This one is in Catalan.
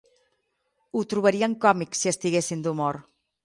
Ho trobarien còmic si estiguessin d'humor.